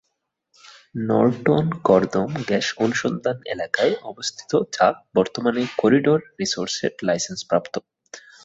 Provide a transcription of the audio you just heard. Norton কর্দম gas অনুসন্ধান এলাকায় অবস্থিত, যা বর্তমানে করিডোর রিসোর্সের লাইসেন্সপ্রাপ্ত।